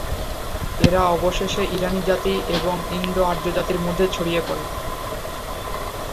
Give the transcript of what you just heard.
এরা অবশেষে ইরানী জাতি এবং ইন্দো-আর্য জাতির মধ্যে ছড়িয়ে পড়ে।